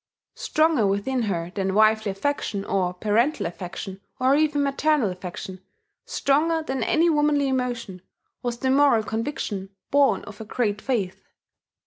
Stronger within her than wifely affection or parental affection or even maternal affection, stronger than any womanly emotion, was the moral conviction born of her great faith.